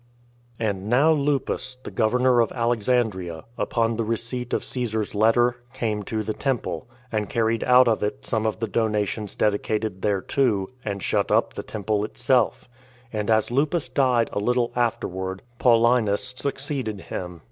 4. And now Lupus, the governor of Alexandria, upon the receipt of Caesar's letter, came to the temple, and carried out of it some of the donations dedicated thereto, and shut up the temple itself. And as Lupus died a little afterward, Paulinus succeeded him.